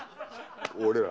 俺ら。